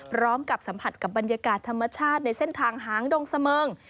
พร้อมกับสัมผัสกับบรรยากาศธรรมชาติในเส้นทางหางดงเสมิง